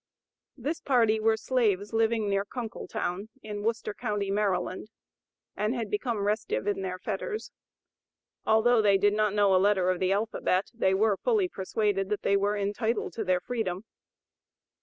This party were slaves, living near Kunkletown, in Worcester county, Maryland, and had become restive in their fetters. Although they did not know a letter of the alphabet, they were fully persuaded that they were entitled to their freedom.